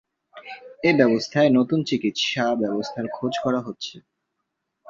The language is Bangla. এ ব্যবস্থায় নতুন চিকিৎসা ব্যবস্থার খোঁজ করা হচ্ছে।